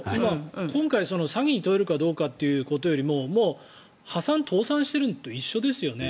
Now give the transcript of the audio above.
今回、詐欺に問えるかどうかということよりももう破産、倒産してるのと一緒ですよね。